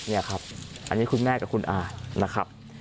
นี่ครับอันนี้คุณแม่กับคุณอานะครับ